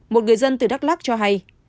một người dân từ đắk lắc cho hay